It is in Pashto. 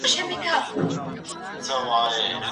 واده داسي ژوند دی چي په دواړو پر مخ وړل کېږي.